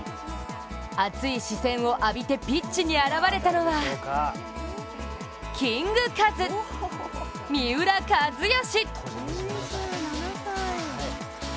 熱い視線を浴びてピッチに現れたのはキングカズ、三浦知良。